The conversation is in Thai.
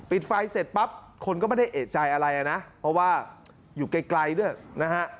ปิดไฟเสร็จปั๊บคนก็ไม่ได้เอกใจอะไรนะเพราะว่าอยู่ไกลด้วยนะฮะ